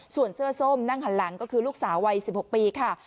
ส่วนเสื้อส้มนั่งหันหลังก็คือลูกสาววัย๑๖ปีค่ะ